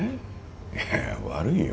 いやいや悪いよ。